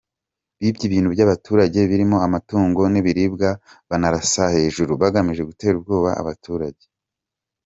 Bibye ibintu by’abaturage birimo amatungo n’ibiribwa, banarasa hejuru bagamije gutera ubwoba abaturage.